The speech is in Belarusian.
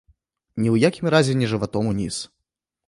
Ні ў якім разе не жыватом уніз.